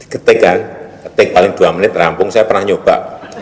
ketik kan ketik paling dua menit rampung saya pernah nyoba